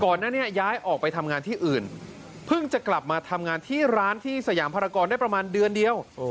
ก่อนหน้านี้ย้ายออกไปทำงานที่อื่นเพิ่งจะกลับมาทำงานที่ร้านที่สยามภารกรได้ประมาณเดือนเดียว